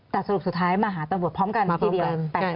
แต่สรุปสุดท้ายมาหาตำรวจพร้อมกันทีเดียว